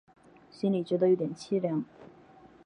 心里觉得有点凄凉